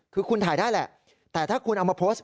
คือคุณถ่ายได้แหละแต่ถ้าคุณเอามาโพสต์